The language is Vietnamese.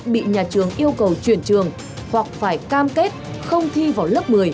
bị nhà trường yêu cầu chuyển trường hoặc phải cam kết không thi vào lớp một mươi